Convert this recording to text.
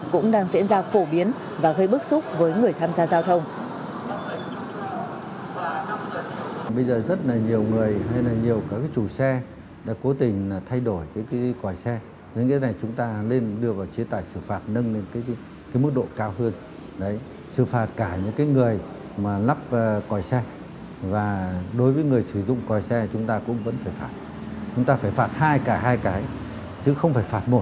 cũng đang diễn ra phổ biến và gây bức xúc với người tham gia giao thông